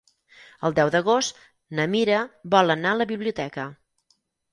El deu d'agost na Mira vol anar a la biblioteca.